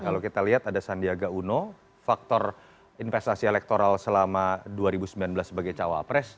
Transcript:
kalau kita lihat ada sandiaga uno faktor investasi elektoral selama dua ribu sembilan belas sebagai cawapres